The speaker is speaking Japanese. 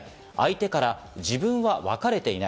相手から自分は別れていない。